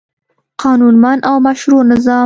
قانونمند او مشروع نظام